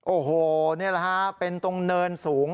โอ้โหนี่แหละฮะเป็นตรงเนินสูง